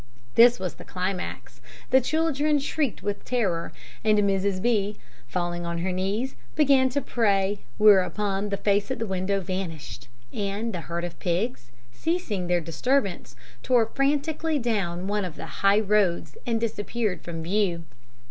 This was the climax, the children shrieked with terror, and Mrs. B., falling on her knees, began to pray, whereupon the face at the window vanished, and the herd of pigs, ceasing their disturbance, tore frantically down one of the high roads, and disappeared from view.